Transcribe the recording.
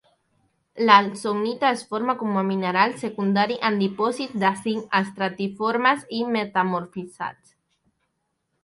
La lawsonita es forma com a mineral secundari en dipòsits de zinc estratiformes i metamorfitzats.